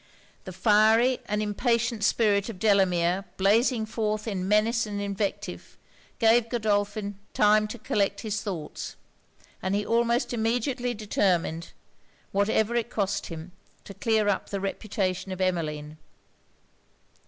The fiery and impatient spirit of Delamere blazing forth in menace and invective, gave Godolphin time to collect his thoughts; and he almost immediately determined, whatever it cost him, to clear up the reputation of Emmeline.